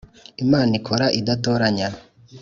Imana ikora idatoranya.